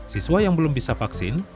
siswa yang belum bisa vaksin